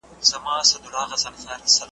ټولنيز بدلون ورو و.